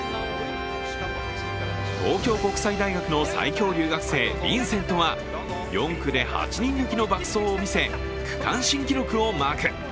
東京国際大学の最強留学生ヴィンセントは４区で８人抜きの爆走を見せ、区間新記録をマーク。